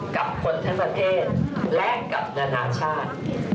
กับคนทั้งประเทศและกับนานาชาติ